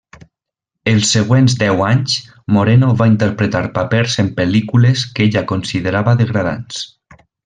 Els següents deu anys, Moreno va interpretar papers en pel·lícules que ella considerava degradants.